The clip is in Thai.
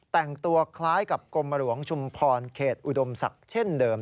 แต่งตัวคล้ายกับกรมหลวงชุมพรเขตอุดมศักดิ์เช่นเดิม